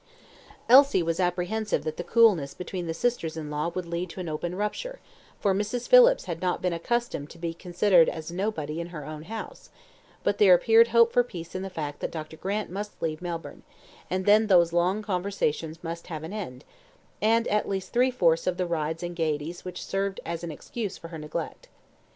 Elsie was apprehensive that the coolness between the sisters in law would lead to an open rupture, for Mrs. Phillips had not been accustomed to be considered as nobody in her own house; but there appeared hope for peace in the fact that Dr. Grant must leave Melbourne; and then those long conversations must have an end, and at least three fourths of the rides and gaieties which served as an excuse for her neglect.